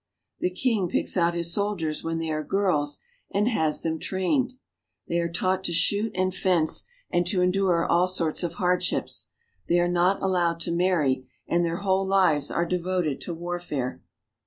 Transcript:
The king picks out his sol . diers when they are girls, and has them trained. They are taught to shoot and fence, and to endure all sorts of hardships. They are not allowed to marry, and their whole lives are devoted to warfare.